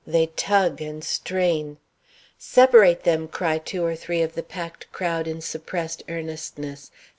They tug and strain "Separate them!" cry two or three of the packed crowd in suppressed earnestness.